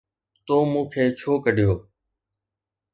”تو مون کي ڇو ڪڍيو؟